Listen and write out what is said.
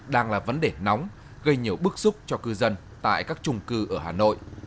đang là vấn đề nóng gây nhiều bức xúc cho cư dân tại các trung cư ở hà nội